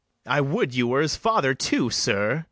I would you were his father too, sir!